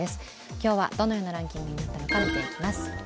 今日はどのようなランキングになったのか、見ていきます。